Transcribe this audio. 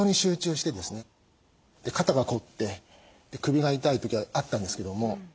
肩が凝って首が痛い時あったんですけども。